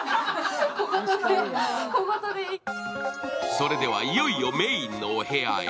それではいよいよメインのお部屋へ。